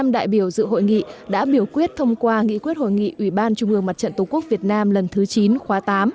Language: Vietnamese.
một trăm linh đại biểu dự hội nghị đã biểu quyết thông qua nghị quyết hội nghị ubnd mặt trận tổ quốc việt nam lần thứ chín khóa tám